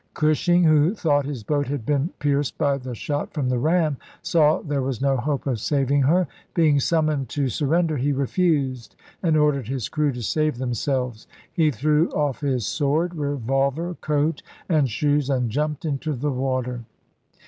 Cushing, who thought his boat had been pierced by the shot from the ram, saw there was b^SC' no hope of saving her ; being summoned to sur isk ' render he refused, and ordered his crew to save secretary '. of the themselves ; he threw off his sword, revolver, coat, Nayy and shoes and jumped into the water.